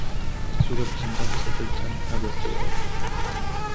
Sus representantes afectan a vertebrados.